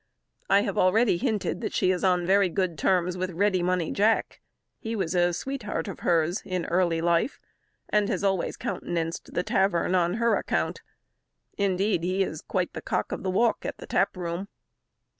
I have already hinted that she is on very good terms with Ready Money Jack. He was a sweetheart of hers in early life, and has always countenanced the tavern on her account. Indeed, he is quite "the cock of the walk" at the tap room.